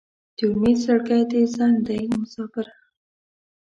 د امید زړګی دې زنګ دی مساپره